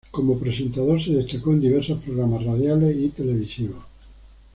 Como presentador se destacó en diversos programas radiales y televisivos.